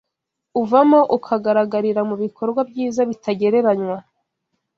uvamo ukagaragarira mu bikorwa byiza bitagereranywa